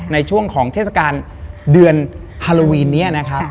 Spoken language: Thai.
ในช่วงของเทศกาลเดือนฮาโลวีนนี้นะครับ